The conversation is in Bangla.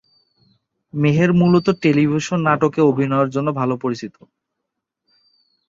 মেহের মূলত টেলিভিশন নাটকে অভিনয়ের জন্য ভালো পরিচিত।